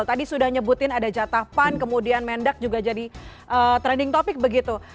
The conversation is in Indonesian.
tadi sudah nyebutin ada jatah pan kemudian mendak juga jadi trending topic begitu